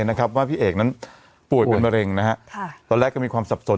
นะครับว่าพี่เอกนั้นป่วยเป็นมะเร็งนะฮะค่ะตอนแรกก็มีความสับสน